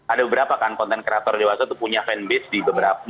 ada beberapa kan konten kreator dewasa itu punya fanbase di beberapa